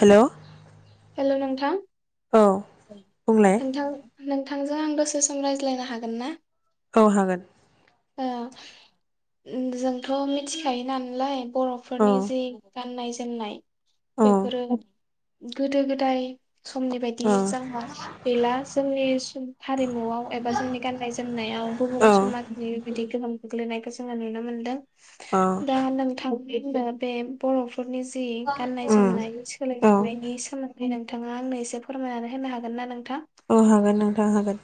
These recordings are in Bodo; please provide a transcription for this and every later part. हेल' हेल' नोंथां बुंलाय नोंथां नोंथांजों आं दसे सम रायज्लायनो हागोनना? औ हागोन। ओ जोंथ' मिथिखायो नालाय औ बर'फोरनि जि गाननाय नाय औ बेफोरो [inaudible] गोदो गोदाय समनि बायदि औ जोंहा गैला जोंनि सम हारिम न'आव एबा जोंनि गाननाय जोमनायाव बुहुम औ समाजनि बिदि गोहोम गोग्लैनायखौ जोङो नुनो मोन्दों। दा नोंथां बेफोर बे बर' फोरनि जि गाननाय उम जोमनाय मि औ सोलायफुनायनि सोमोनदै नोंथाङा आंनो एसे फोरमायनानै होनो हागोनना नों औ हागोन नोंथां हागोन।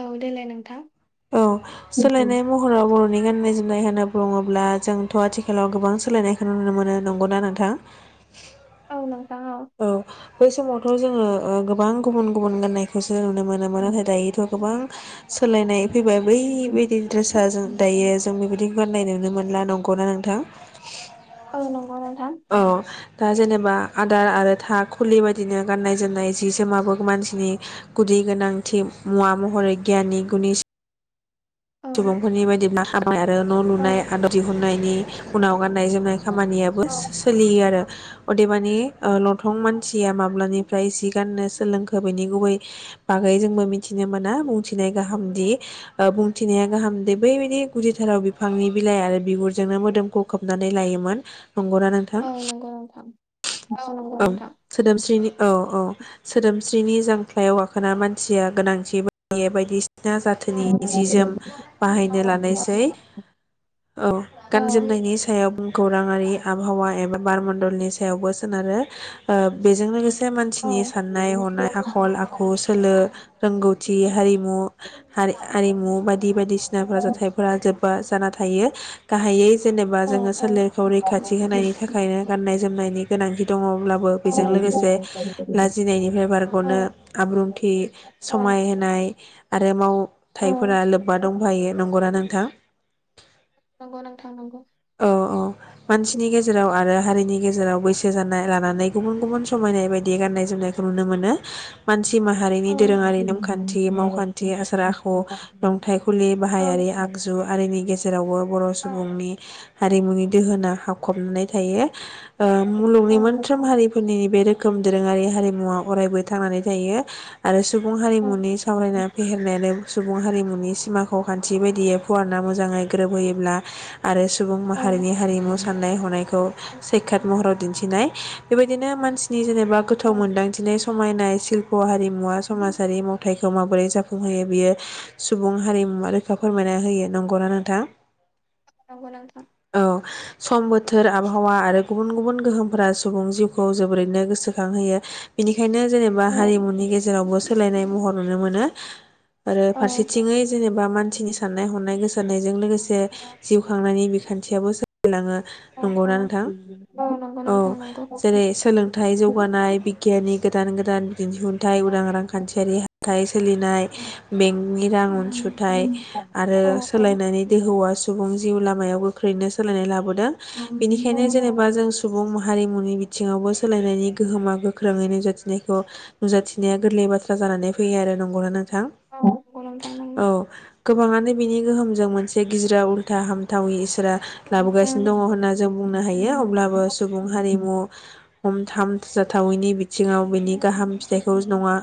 औ देलाय नोंथां। औ औ सोलायनाय महराव बर' नि गाननाय जोमनाय होनना बुङोब्ला जोंथ' आथिखालाव गोबां सोलायनायखौ नुनो मोनो नंगौना नोंथां? औ नों औ बै समावथ' जोङो ओ गोबां गुबुन गुबुन गाननायखौसो नुनो मोनोमोन नाथाय दायोथ' गोबां सोलायनाय फैबाय बै बायदि ड्रेस दा जों दायो जों बेबायदि गाननाय नुनो मोनला नंगौना नोंथां? औ नंगौ नोंथां। औ दा जेनेबा आ आदार आरो था खुलि बायदिनो गाननाय जोमनाय जि जोमाबो मानसिनि गुदि गोनांथि मुवा महरै गियाननि गुनि औ सुबुंफोरनि बायदिब्ला हाबाय आरो न' औ लुनाय आदर दिहुनायनि उनाव गाननाय जोमनाय खामानियाबो औ सोलियो आरो अदेबानि ओ लंथं मानसिया माब्लानिफ्राय सि गाननो सोलोंखो बेनि गुबै बागै जोंबो मिथिनो मोना बुंथिनाय गाहामदि ओ बुं थिनाया गाहाम दि बायदि गुदिथाराव बिफांनि बिलाइ आरो बिगुरजोंनो मोदोमखौ खोबनानै लायोमोन। नंगौना नोंथां? औ नंगौ नोंथां औ नंगौ ओम नोंथां सोदोमस्रिनि औ औ सोदोमस्रिनि जांख्लायाव गाखोना मानसिया गोनांथि बायदि बायदिसि ना औ जाथोनि जि जोम औ बाहायनो लानायसै औ औ गान जोमनायनि सायाव बुमखौराङारि आबहावा एबा बारमनदलनि सायावबो सोनारो। ओ बेजों लोगोसे से औ मानसिनि नंगौ साननाय हनाय नोंथां आखल आखु सोलो रोंगौथि नंगौ हारिमु हारि आ आरिमु बायद दि बायदिसिनाफोरा औ जाथायफोरा जोब बा जाना थायो गाहायै जेनेबा औ जोङो सोलेरखौ रैखाथि होनायनि थाखायनो गाननाय जोमनायनि गोनांथि। दङब्लाबो बेजों नंगौ लोगोसे नोंथां लाजिनायनिफ्राय औ बारग'नो आब्रुंथि समायहाय आरो मावथाइफोरा लोब्बा दंफायो नंगौना नों थां नंगौ नोंथां नंगौ। औ औ मानसिनि गेजेराव आरो हारिनि गेजेराव बैसो जानाय लानानै गुबुन गुबुन समायनाय बायदि गान्नाय जोमनायखौ नुनो मोनो मानसि थि माहारिनि दोरोङारि नेमखानथि मावखानथि आसार आखु लुंथाइखुलि बाहायारि आगजु आरिनि गेजेरावबो बर' सुबुंनि हारिमुनि दोहोना हाबखननानै थायो। ओ औ मुलुगनि मोनफ्रोम हारिफोरनि बे रोख खोम दोरोङारि हारिमुवा अरायबो थांनानै थायो आरो सु सुबुं हारिमुनि सावरायना फेहेरनायानो सुबुं हारिमुनि सिमाखौ खानथि बायदियै फुवारना मोजाङै गोरोबहोयोब्ला आरो सुबुं माहारिनि हारिमु साननाय हनायखौ सैखाट महराव दिनथिनाय बेबायदिनो मानसिनि जेनेबा गोथौ मोनदांथिनाय समायनाय शिल्प' हारि मुवा समाजारि मावथाइखौ माबोरै जाफुंहोयो बियो सुबुं हारिमुवा रोखा फोरमायना होयो नंगौना नोंथां? नंगौ नोंथां। औ सम बोथोर आबहावा आरो गुबुन गुबुन गोहोमफोरा सुबुं जिउखौ जोबोरैनो गोसोखांहोयो बिनि बेनो जेनेबा औ हारिमुनि गेजेरावबो सोलायनाय महर नुनो मोनो। आरो औ फारसेथिङै जेनेबा मानसिनि साननाय हनाय गोसारनायजों लोगोसे थांनायनि बिखान्थियाबो खमिलाङो औ औ नंगौना नोंथां नंगौ औ नोंथां नंगौ नंगौ जेरै सोलोंथाइ जौगानाय बिगियानिक गोदान गोदान दिनहुथाय उदां रांखान्थियारि हाथाय सोलिनाय बेंकनि रां नोंथां नंगौ जुथाय नोंथां आरो नंगौ औ सोलायनानै दोहौआ आं जिउ लामायाव गोख्रैनो सोलायनाय लाबोदों। औ बेनिखायनो जेनेबा जों सुबुं माहा हारिमुनि बिथिङावबो सोलायनायनि गोहोमा गोख्रोङै नुजाथिनायखौ नुजाथिनाया गोरलै बाथ्रा जानानै फैयो आरो नंगौना नों औ [unintelligible] गोबाङानो बिनि गोहोमजों मोनसे गिज्राव हामथावै इसोरा लाबोगासिनो दङ होनना जों बुंनो हायो अब्लाबो सुबुं हारिमु हामजाथावैनि बिथिङाव बिनि गाहाम फिथाइखौ नङा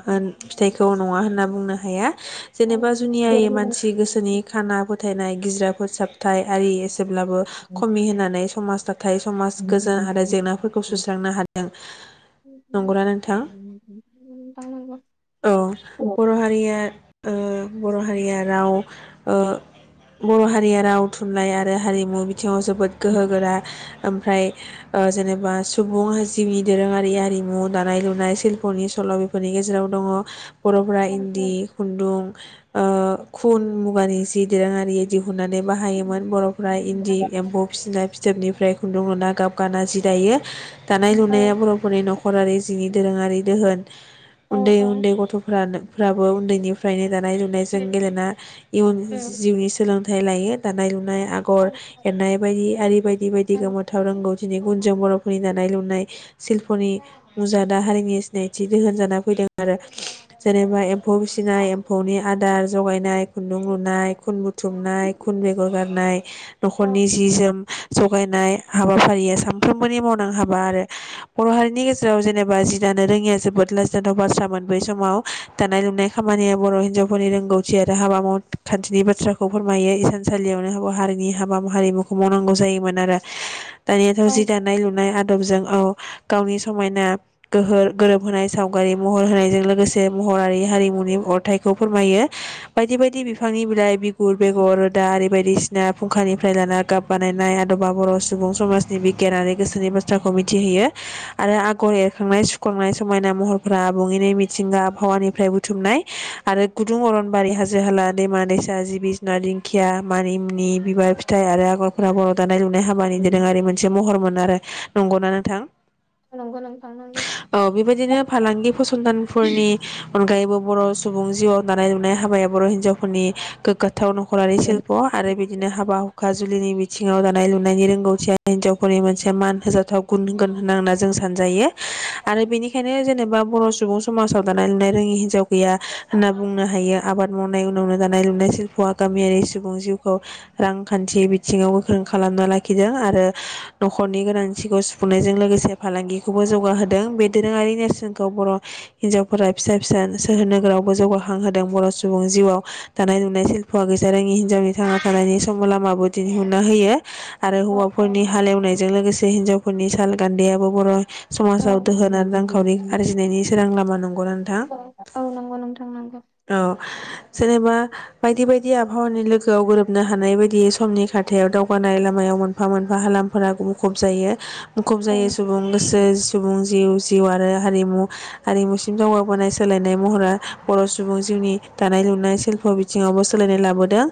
फिथाइखौ नङा होनना बुंनो हाया। जेनेबा जुनियायै मानसि गोसोनि खाना फो फोथायनाय गिज्रा फोसाब थाय आरि जेब्लाबो खमि होननानै समाज नाथाय समाज गोजोन आरो जेंनाफोरखौ सुस्रांनो हादों नंगौना नोंथां औ बर' हारिया। ओ बर' हारिया राव बर' हारिया राव थुनलाइ आरो हारिमु बिथिङाव जोबोद गोहो गोरा। ओमफ्राय ओ जेनेबा सुबुं जिउनि दोरोङारि आरिमु दानाय लुनाय सिल्प'नि सल' बेफोरनि गेजेराव दङ बर'फोरा इन्दि खुन्दुं ओ खुन मुगानि जि दोरोंआरि दिहुननानै बाहायो मोन बर' ओमफ्राय इन्दि एम्फौ फिसिनाय फिथोबनिफ्राय खुन्दुं लुना गाब गाना जि दायो। दानाय लुनाया बर' फोरनि न'खर न'खरारि जिनि दोरोङारि दोहोन। उन्दै उन्दै गथ'फोरानो फोराबो उन्दैनिफ्रायनो दानाय लुनायजों गेलेना इयुन जिउनि सोलों थाइ लायो। दानाय लुनाय आगर एरनाय बायदि आरि बायदि बायदि गोमोथाव रोंगौ दिनै गुनजों बर'फोरनि दानाय लुनाय सिल्पनि मुजादा हारिनि सिनायथि दोहोन जाना फैदों आरो जेनेबा एम्फौ फिसिनाय एम्फौनि आदार जगायनाय खुन्दुं लुनाय खुन थुनाय खुन बेगर गारनाय न'खरनि जि जोम जगायनाय हाबाफारिया सानफ्रोमबोनि मावनां हाबा आरो बर' हारिनि गेजेराव जेनेबा जि दानो रोङिया जोबोद लाजिाथाव बाथ्रामोन बै समाव दानाय लुनाय खामानिया बर' हिनजावफोरनि रोंगौथि आरो हाबा मावखान्थिनि बाथ्राखौ फोरमायो थानसालियावनो [unintelligible] हारिनि हाबा माहारिमुखौ मावनांगौ जायोमोन आरो। दानियाथ' जि दानाय लुनाय गावजों औ गावनि समायना गोह गोरोब होनाय सावगारि महर होनायजों लोगोसे महरारि हारिमुनि अरथाइखौ फोरमायो बायदि बायदि बिफांनि बिलाइ फुल बेगर आरि बायदिसिना फुंखा निफ्राय लाना गाब बानायनाय आदबा बर' सुबुं समाजनि बिगियानारि गोसोनि बाथ्राखौ मिथिहोयो। आरो आगर एरखांनाय खंनाय समायना महरफोरा आबुङैनि मिथिंगा आबहावानिफ्राय बुथुमनाय आरो गुदुं अरनबारि हाजो हाला दैमा दैसा जिबि जुनारनि दिं खिया मानिमनि बिबार फिथाइ आरो आगरफोरा बर' दा नाय लुनाय हाबानि दोरोङारि मोनसे महरमोन आरो। नंगौना नोंथां। औ बेबायदिनो फालांगि फसंथानफोरनि अनगायैबो बर' सुबुं जिउआव दानाय लुनाय हाबाया बर' हिनजावफोरनि गोग्गाथाव न'खरारि शिल्प' आरो बिदिनो हाबा हुखा जुलिनि बिथिङाव दानाय लुनायनि रोंगौथिया हिन्जावफोरनि मोनसे मान होजाथाव गुन होगोन होनना होनना जों सानजायो आरो बेनिखायनो जेनेबा बर' सुबुं समाजाव दानाय लुनाय रोङि हिनजाव गैया होनना बुंनो हायो आबाद मावनाय उनावनो दानाय लुनाय शिल्प'आ गामियारि सु बुं जिउखौ रां खान्थि बिथिङाव गोख्रों खालामना लाखिदों आरो न'खरनि गोनांथिखौ सुफुंनायजों लोगोसे फालांगिखौबो जौगाहोदों। बे दोरोङारि नेर्सोनखौ बर' हिनजाव फोरा फिसा फिसा सोहोर नोगोरावबो जौगाखां होदों बर' सुबुं जिउआव दानाय लुनाय हौवा गैजारोङि हिनजावनि थांना थानायनि समाव लामाबो दिन्हुनना होयो। आरो नंगौ हौवाफोरनि हालेवनायजों लोगोसे हिन्जावफोरनि साल गानदायाबो बर' औ समाजाव दोहोन आरो रांखावरि आरजिनायनि सोरां लामा नंगौना नोंथां औ औ नंगौ नोंथां नंगौ औ जेनेबा बायदि बाय दि आबहावानि लोगोआव गोरोबनो हानाय बायदि समनि खाथ थायाव दावगानाय लामायाव मोन मोनफा मोनफा हालामफोरा मुखुब जायो मुखुब औ जायो सुबुं गोसो सुबुं जिउ जिउ आरो हारिमु हारिमुसिम जौगाबोनाय सोलायनाय महरा बर' सुबुं जिउनि दानाय लुनाय सिल्फ' बिथिङावबो सोलायनाय लाबोदों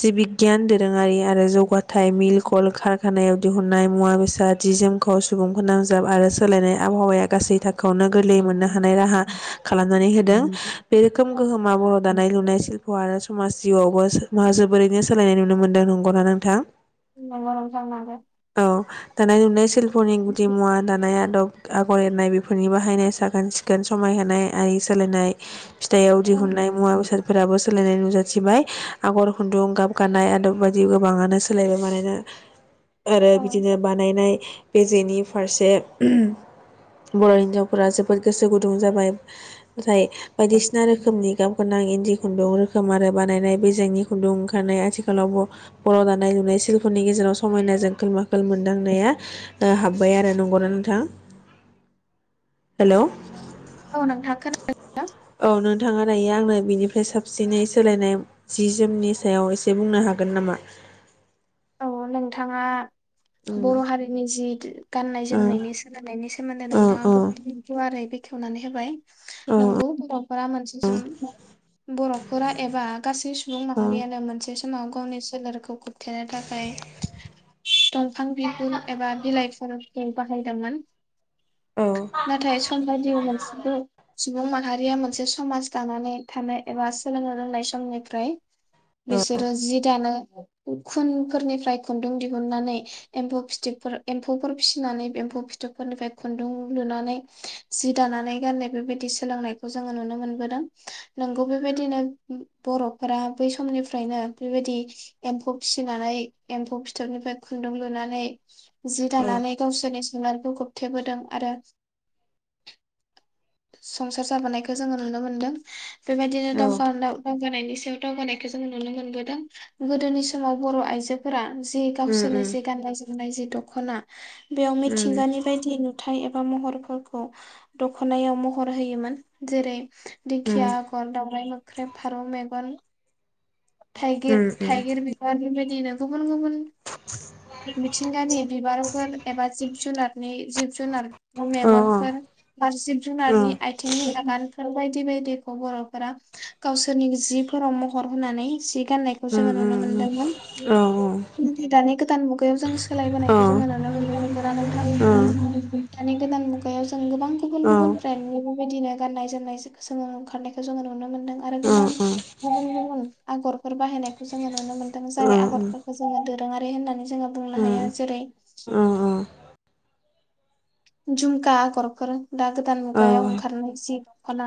जि बि गियान दोरोङारि आरो जौगाथाय मिल कल कारखानायाव दिहुननाय मुवा बेसाद जि जोमखौ सुबुंफोनांजाब आरो सोलायनाय आबहावाया गासै था खौनो गोरलैयै मोननो हानाय राहा खालामनानै होदों बे रोखोम गोहोमा बर' दानाय लुनाय शिल्प' आरो समाज जिउआवबो मा जोबोरैनो सोलायनायनि नुनो मोनदों नंगौना नोंथां? नंगौ नोंथांआनो औ दानाय लुनायसोल फरनि गुदि मुवा दानाय आदब आगर एरनाय बेफोरनि बाहायनाय साखोन सिखोन समायहोनाय आरि सोलायनाय फिथाइयाव औ दिहुननाय मुवा बेसादफोराबो सोलायनाय नुजा थिबाय आगर खुन्दुं गाब गान्नाय आदब बायदि गोबाङानो सोलायबाय मानोना आरो औ बिदिनो बानायनाय बेजेनि फारसे [unintelligible] बर' हिनजावफोरा जोबोद गोसो गुदुं जाबाय जाय बायदिसिना रोखोमनि गाब गोनां इन्दि खुन्दुं रोखोम आरो बानायनाय बेजेंनि खुन्दुं ओंखारनाय आथिखालाव बर' दानाय लुनाय सिल्पनि गेजेराव समायनाजों खोल माखोल मोनदांनाया ओ हाबबाय आरो नंगौना नों [unintelligible] हेल' औ नोंथां खोनादोंना औ नोंथाङा दायो आंनो बिनिफ्राय साबसिनै सोलायनाय जि जोमनि सायाव एसे बुंनो हागोन नामा? औ नोंथाङा ओ बर' हारिनि जिद गाननाय जोमनायनि सोलायनायनि सोमोन्दै ओ नोंथाङा ओ गोबां गुवारै बे खेवनानै होबाय औ नंगौ [unintelligible] खरा मोनसेसिम बर'फोरा एबा गासै सुबुं औ माहारियानो मोनसे समाव गावनि सोलेरखौ खोबथेनो था खाय दंफां बिगुर एबा बिलाइफोरखौ बाहायदोंमोन औ नाथाय सम बायदि मोनसेबो सुबुं माहारिया मोनसे समाज दानानै थानाय एबा सोलोंनो रोंनाय समनिफ्राय औ बिसोरो जि दानो खुन फोरनिफ्राय खुन्दुं दिहुननानै एम्फौ फिथोबफोर एम्फौफोर फिसिनानै एम्फौ फिथोबफोरनिफ्राय खुन्दुं लुनानै जि दानानै गाननाय बेबायदि सोलोंनायखौ जोङो नुनो मोनबोदों नोंगौ बेबायदिनो बर'फोरा बै समनिफ्रायनो बेबायदि एम्फौ फिसिनानै एम्फौ फिथोबनिफ्राय खुन्दुं लुनानै जि दानानै गावसोरनि जुनारफोरखौ थेबोदों आरो संसार जाबोनायखौ जोङो नुनो मोनदों बेबायदिनो औ दाव दावगानायनि सायाव दावगानायखौ जो नुनो मोनबोदों गोदोनि समाव बर आइजो फोरा जि उम गावसोरनि उम जि गाननाय जोमनाय जि दख'ना बेयाव उम मिथिंगानि बायदि नुथाय महरफोरखौ दख'नायाव महर होयोमोन जेरै उम दिंखिया आगर दावउराय मोख्रेब फारौ मेगन थाइगिर उम उम थाइगिर बिनि बिदिनो गुबुन गुबुन मिथिंगानि बिबाराव एबा जिब जुनारनि जिब जुनार औ औ मेगनफोर आरो जिब औ जुनारनि आइथिंनि आगान बायदि बायदिखौ बर'फोरा गावसोरनि जिफोराव महर होनानै सि गाननायखौ उम जोङो नुनो मोनदोंमोन उम औ दानि गोदान मुगायाव जों औ सोलायबोनायखौ जोङो नुनो मोनदों दानि गोदान मुगायाव जों गोबां गुबुन औ गुबुन ब्रेन्डनि बेबायदिनो गाननाय जोमनाय जोङो ओंखारनायखौ जोङो नुनो मोनदों आरो औ गोबां गुबुन गुबुन आगरफोर बाहायनायखौ जोङो नुनो मोन औ उम औ जाय आगरफोरखौ जोङो आरो होननानै जोङो औ बुंनो औ हाया जेरै झुमका आगरफोर दा गोदान मुगायाव ओंखारनाय जि दख'ना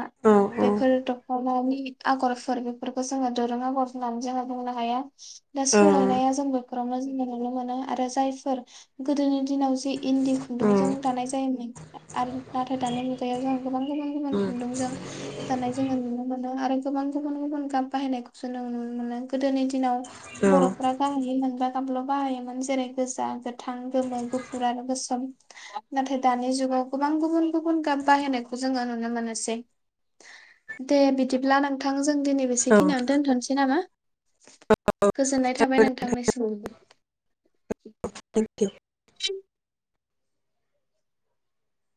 बेफोर दख'नानि आगरफोर बेफोरखौ जोङो दोरों आगर होननानै जोङो बुंनो हाया दा सोलायनाया जों बेफोरावनो जोङो नुनो मोनो आरो जायफोर गोदोनि दिनाव जि इन्दि खुन्दुंजों दानाय जायोमोन आरो नाथाय दानि मुगायाव जों गोबां गुबुन गुबुन खुन्दुंजों दानाय जोङो नुनो मोनो आरो गोबां गुबुन गुबुन गाब बाहायनायखौसो नों नुनो मोनो गोदोनि दिनाव बरफ्रा गावनि मोन्दांथि गाबल बाहायोमोन जेरै गोजा गोथां गोमो गुफुर आरो गोसोम नाथाय दानि जुगाव गोबां गुबुन गुबुन गाब बाहायनायखौ जोङो नुनो मोनसै दे बिदिब्ला नोंथां जों दिनै औ बेसेखिनियावनो दोनथ'नोसै नामा गोजोननाय थाबाय नोंथांनिसिम [unintelligible] [unintelligible] [unintelligible]